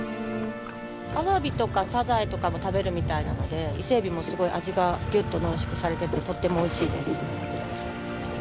アワビとかサザエとかも食べるみたいなので伊勢エビもすごい味がギュッと濃縮されててとってもおいしいです。